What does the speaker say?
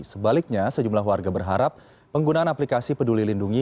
sebaliknya sejumlah warga berharap penggunaan aplikasi peduli lindungi